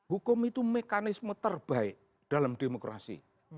hukum itu mekanisme terbaik dalam demokrasi